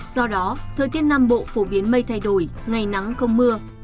do đó thời tiết nam bộ phổ biến mây thay đổi ngày nắng không mưa